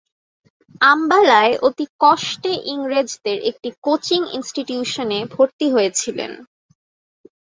আম্বালায় অতি কষ্টে ইংরেজদের একটি কোচিং ইনস্টিটিউশনে ভর্তি হয়েছিলেন।